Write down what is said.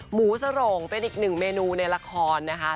หมูสโรงเป็นอีกหนึ่งเมนูในละครนะคะ